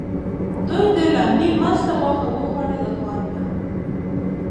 دوی د لاندي مسته غوښه وخوړه له خوند نه.